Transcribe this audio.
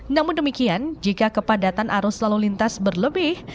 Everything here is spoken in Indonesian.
namun demikian jika kepadatan arus lalu lintas berlebih